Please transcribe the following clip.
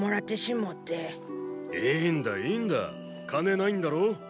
いいんだいいんだ金ないんだろ。